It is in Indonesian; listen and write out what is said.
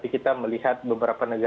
tapi kita melihat beberapa hal yang terjadi